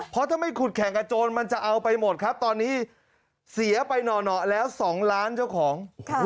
เพราะถ้าไม่ขุดแข่งกับโจรมันจะเอาไปหมดครับตอนนี้เสียไปหน่อแล้ว๒ล้านเจ้าของ